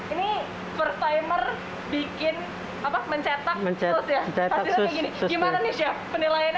ini first timer bikin apa mencetak sus ya